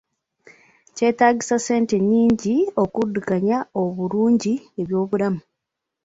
Kyetaagisa ssente nnyingi okuddukanya obulungi eby'obulamu.